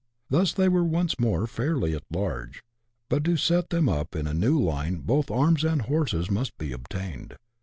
Thus they were once more fairly at large ; but to set them up in their new line both arms and horses must be obtained.